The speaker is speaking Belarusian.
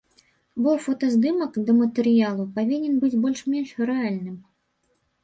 Бо фотаздымак да матэрыялу павінен быць больш-менш рэальным.